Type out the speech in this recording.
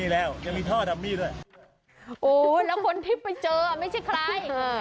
แล้วหลังคนที่ไปเจอว่าไม่ใช่ใคร